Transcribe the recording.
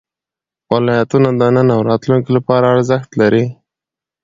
ولایتونه د نن او راتلونکي لپاره ارزښت لري.